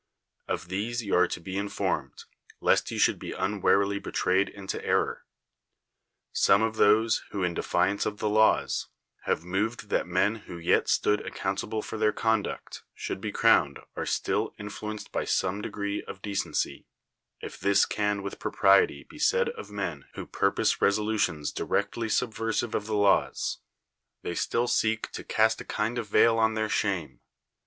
Of these you are to be informed, lest you should be unwarily betrayed into error. Some of those who, in de fiance of the laws, have moved that men who 3'et stood accountable for their conduct should be crowned are still influenced by some degree of decency (if this can with propriety be said of men who purpose resolutions directly sub vereive of the laws) ; they still seek to cast a kind of veil on their shame.